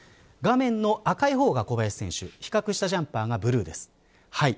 画面の赤い方が小林選手比較したジャンパーがブルーです。